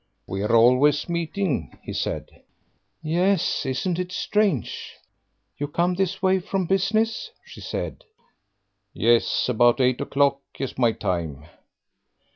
"We're always meeting," he said. "Yes, isn't it strange?... You come this way from business?" she said. "Yes; about eight o'clock is my time."